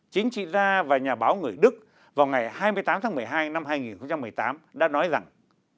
chính trị gia và nhà báo người đức vào ngày hai mươi tám tháng một mươi hai năm hai nghìn một mươi tám đã nói rằng